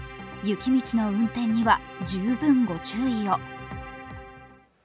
雪道の運転には十分御注意を。